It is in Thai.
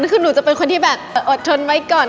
คือหนูจะเป็นคนที่แบบอดทนไว้ก่อน